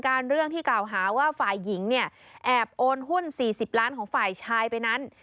เรื่องที่กล่าวหาว่าฝ่ายหญิงเนี่ยแอบโอนหุ้น๔๐ล้านของฝ่ายชายไปนั้น